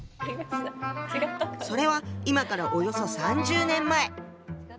それは今からおよそ３０年前。